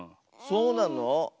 そうなの？